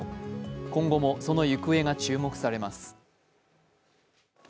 今後もその行方が注目されます。